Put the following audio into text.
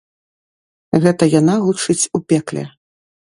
Гэта яна гучыць у пекле.